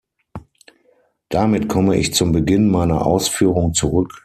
Damit komme ich zum Beginn meiner Ausführung zurück.